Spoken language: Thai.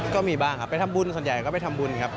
ก็มีบ้างครับไปทำบุญส่วนใหญ่ก็ไปทำบุญครับ